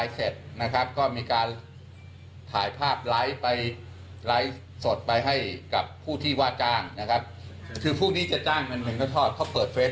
เต็ดตีเต็ดไลค์สดไลค์ให้มีผลงานเสร็จก็จ่ายเงิน